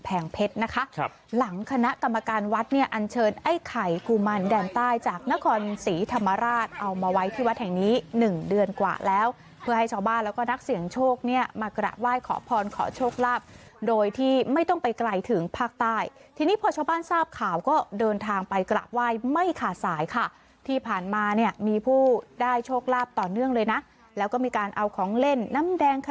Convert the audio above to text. แผงเพชรนะคะหลังคณะกรรมการวัดเนี่ยอันเชิญไอ้ไข่กุมันแดนใต้จากนครศรีธรรมราชเอามาไว้ที่วัดแห่งนี้หนึ่งเดือนกว่าแล้วเพื่อให้ชาวบ้านแล้วก็นักเสียงโชคเนี่ยมากระว่ายขอพรขอโชคลาบโดยที่ไม่ต้องไปไกลถึงภาคใต้ทีนี้พ่อชาวบ้านทราบข่าวก็เดินทางไปกระว่ายไม่ขาดสายค่ะที่ผ่านมาเนี่ยม